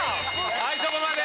はいそこまで！